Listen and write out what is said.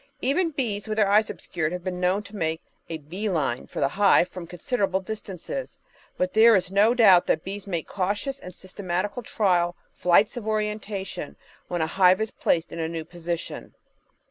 Even bees with their eyes obscured have been known to make a "bee line" for the hive from considerable distances. But there is no doubt that bees make cautious and systematical trial "flights of orientation" when a hive is placed in a new position.